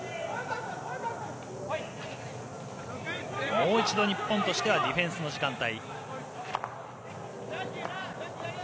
もう一度、日本としてはディフェンスの時間帯。